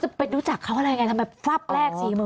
จะไปรู้จักเขาอะไรอย่างไรทำไมฟับแรก๔๐๐๐๐บาท